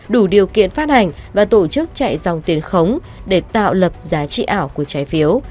đủ điều kiện phát hành và tổ chức chạy dòng tiền khống để tạo lập giá trị ảo của trái phiếu